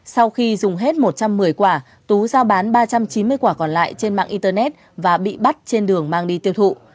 sau khi dùng hết một trăm một mươi quả tú giao bán ba trăm chín mươi quả còn lại trên mạng internet và bị bắt trên đường mang đi tiêu thụ